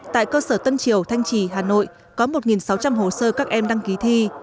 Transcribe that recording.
tại cơ sở tân triều thanh trì hà nội có một sáu trăm linh hồ sơ các em đăng ký thi